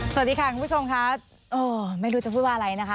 สวัสดีค่ะคุณผู้ชมค่ะไม่รู้จะพูดว่าอะไรนะคะ